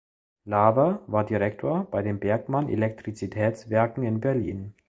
Laver war Direktor bei den Bergmann Elektrizitätswerken in Berlin.